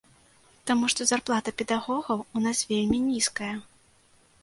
Таму што зарплата педагогаў у нас вельмі нізкая.